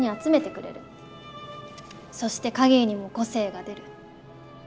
そして影にも個性が出る。